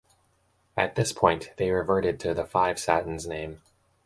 At this point, they reverted to the Five Satins name.